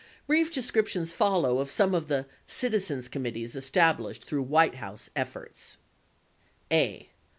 61 Brief descriptions follow of some of the "citizens committees" estab lished through White House efforts : a.